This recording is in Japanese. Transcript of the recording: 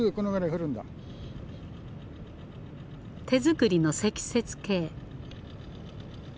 手作りの積雪計。